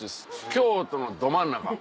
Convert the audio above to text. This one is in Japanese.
京都のど真ん中。